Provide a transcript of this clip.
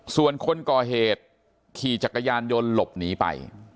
ส่วนคนก่อเหตุขี่จักรยานยนต์หลบหนีไป